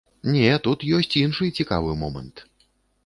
Не, тут ёсць іншы цікавы момант.